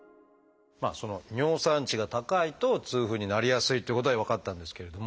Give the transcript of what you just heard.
その尿酸値が高いと痛風になりやすいっていうことは分かったんですけれど